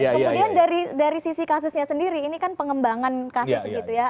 kemudian dari sisi kasusnya sendiri ini kan pengembangan kasus gitu ya